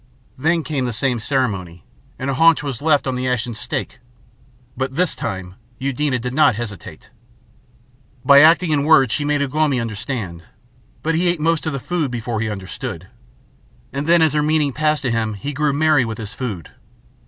Then came the same ceremony, and a haunch was left on the ashen stake; but this time Eudena did not hesitate. By acting and words she made Ugh lomi understand, but he ate most of the food before he understood; and then as her meaning passed to him he grew merry with his food.